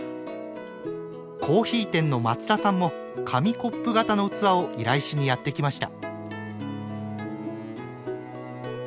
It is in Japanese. コーヒー店の松田さんも紙コップ型の器を依頼しにやって来ました。